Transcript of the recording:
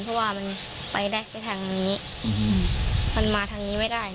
เพราะว่ามันไปได้ไปทางนี้มันมาทางนี้ไม่ได้